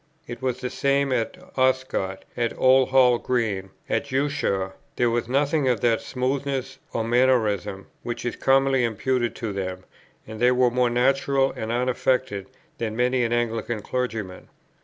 It was the same at Oscott, at Old Hall Green, at Ushaw; there was nothing of that smoothness, or mannerism, which is commonly imputed to them, and they were more natural and unaffected than many an Anglican clergyman.